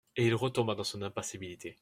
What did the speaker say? Et il retomba dans son impassibilité.